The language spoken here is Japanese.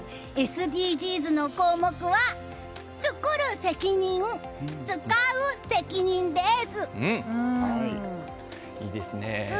ＳＤＧｓの項目は「つくる責任つかう責任」です。